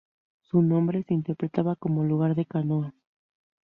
Su nombre se interpreta como "Lugar de canoas".